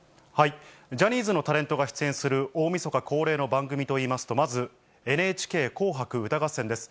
ジャニーズのタレントが出演する大みそか恒例の番組といいますと、まず、ＮＨＫ紅白歌合戦です。